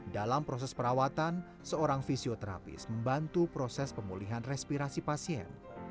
dalam proses perawatan seorang fisioterapis membantu proses pemulihan respirasi pasien